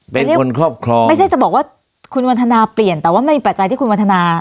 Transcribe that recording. เป็นคนครอบครองไม่ใช่จะบอกว่าคุณวันทนาเปลี่ยนแต่ว่ามันมีปัจจัยที่คุณวันทนา